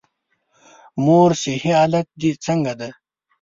د مور صحي حالت دي څنګه دی؟